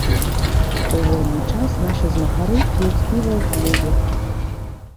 У вольны час нашы змагары п'юць піва ў клубе.